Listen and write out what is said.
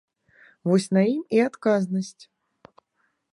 Вось на ім і адказнасць.